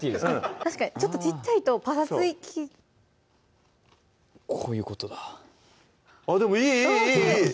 確かにちょっと小っちゃいとパサつきこういうことだあっでもいいいい！